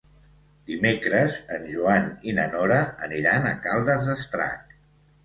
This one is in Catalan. Dimecres en Joan i na Nora aniran a Caldes d'Estrac.